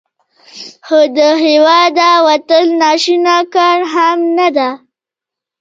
خو له هیواده وتل ناشوني کار هم نه دی.